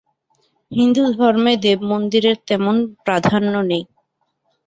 হিন্দুধর্মে দেবমন্দিরের তেমন প্রাধান্য নেই।